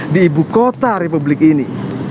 di ibu kota republik ini